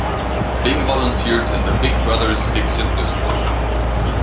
Bing volunteered in the Big Brothers Big Sisters program.